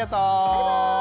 バイバーイ！